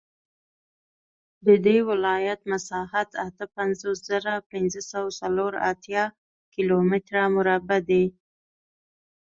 د دې ولایت مساحت اته پنځوس زره پنځه سوه څلور اتیا کیلومتره مربع دی